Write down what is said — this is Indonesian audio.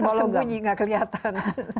susah soalnya tersembunyi nggak kelihatan